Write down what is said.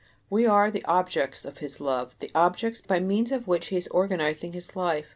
We are the "objects" of his love, the objects by means of which he is organizing his life.